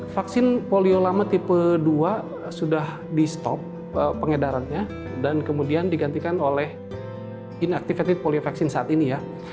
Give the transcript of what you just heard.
vaksin polio lama tipe dua sudah di stop pengedarannya dan kemudian digantikan oleh innoctivated poliovacin saat ini ya